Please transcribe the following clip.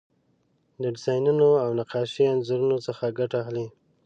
د ډیزاینونو او نقاشۍ انځورونو څخه ګټه اخلي.